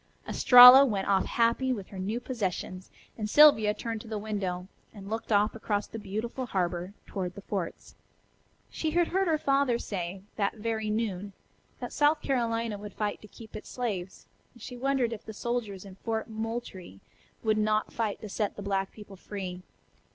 Estralla went off happy with her new possessions, and Sylvia turned to the window, and looked off across the beautiful harbor toward the forts. She had heard her father say, that very noon, that South Carolina would fight to keep its slaves, and she wondered if the soldiers in Fort Moultrie would not fight to set the black people free.